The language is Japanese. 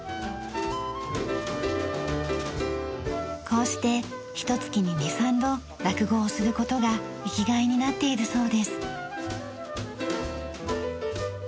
こうしてひと月に２３度落語をする事が生きがいになっているそうです。